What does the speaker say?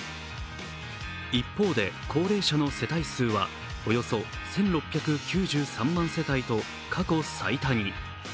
一方で高齢者の世帯数はおよそ１６９３万世帯と過去最多に。